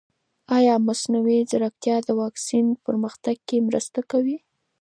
ایا مصنوعي ځیرکتیا د واکسین پرمختګ کې مرسته کوي؟